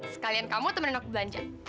sekalian kamu teman anak belanja